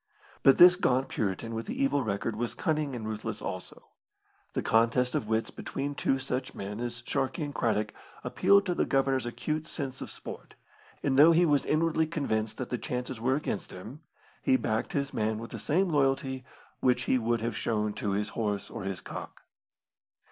But this gaunt Puritan with the evil record was cunning aid ruthless also. The contest of wits between two such men as Sharkey and Craddock appealed to the Governor's acute sense of sport, and though he was inwardly convinced that the chances were against him, he backed his man with the same loyalty which he would have shown to his horse or his cock.